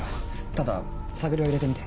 ただ探りは入れてみて。